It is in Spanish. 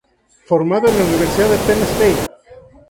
Formada en la Universidad de Penn State.